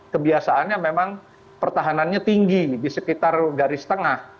kebiasaannya memang pertahanannya tinggi di sekitar garis tengah